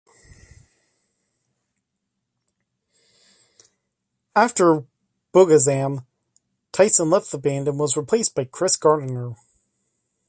After "Boogazm", Tyson left the band and was replaced by Chris Gartner.